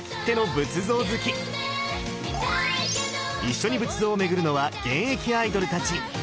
一緒に仏像を巡るのは現役アイドルたち！